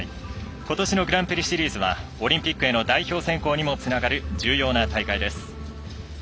ことしのグランプリシリーズはオリンピックへの代表選考にもつながる、重要な大会です。